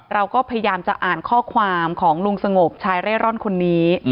เราก็พยายามจะอ่านข้อความของลุงสงบชายเร่ร่อนคนนี้